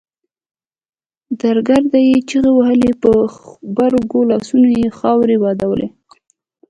درګرده يې چيغې وهلې په غبرګو لاسونو يې خاورې بادولې.